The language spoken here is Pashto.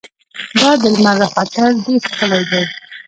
دا د لمر راختل ډېر ښکلی دي.